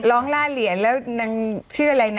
ร้องล่าเหรียญแล้วชื่ออะไรนะ